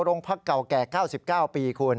โรงพักเก่าแก่๙๙ปีคุณ